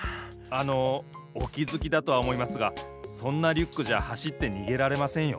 あのおきづきだとはおもいますがそんなリュックじゃはしってにげられませんよ。